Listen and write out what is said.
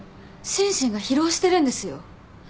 心身が疲労してるんですよ？